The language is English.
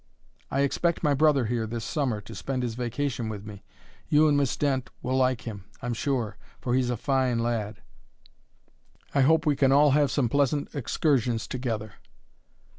I expect my brother here this Summer, to spend his vacation with me. You and Miss Dent will like him, I'm sure, for he's a fine lad. I hope we can all have some pleasant excursions together."